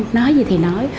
nói gì thì nói